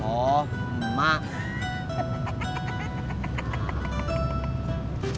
soklah aku pre vape